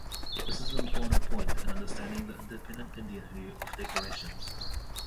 This is an important point in understanding the independent Indian view of decorations.